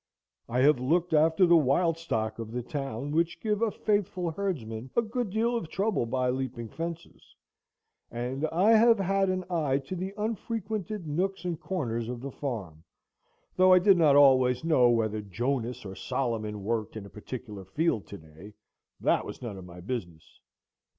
I have looked after the wild stock of the town, which give a faithful herdsman a good deal of trouble by leaping fences; and I have had an eye to the unfrequented nooks and corners of the farm; though I did not always know whether Jonas or Solomon worked in a particular field to day; that was none of my business.